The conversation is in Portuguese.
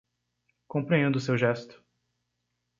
Compreendo o seu gesto